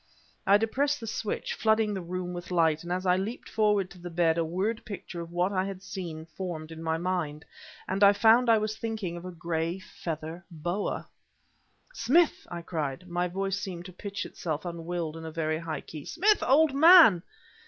I depressed the switch, flooding the room with light, and as I leaped forward to the bed a word picture of what I had seen formed in my mind; and I found that I was thinking of a gray feather boa. "Smith!" I cried (my voice seemed to pitch itself, unwilled, in a very high key), "Smith, old man!"